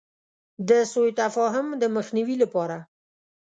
د سو تفاهم د مخنیوي لپاره.